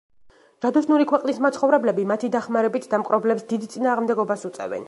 ჯადოსნური ქვეყნის მაცხოვრებლები მათი დახმარებით დამპყრობლებს დიდ წინააღმდეგობას უწევენ.